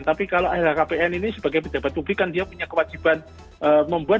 tapi kalau lhkpn ini sebagai pejabat publik kan dia punya kewajiban membuat